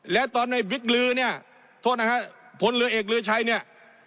แล้วตอนในบิ๊กลือเนี่ยโทษนะฮะพลเรือเอกลือชัยเนี่ย